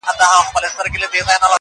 څادر مې نشته او ساړه بی وسي نه پیژني